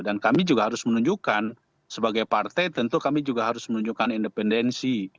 dan kami juga harus menunjukkan sebagai partai tentu kami juga harus menunjukkan independensi